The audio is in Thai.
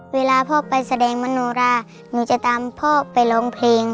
เวลาพ่อไปแสดงมโนราหนูจะตามพ่อไปร้องเพลง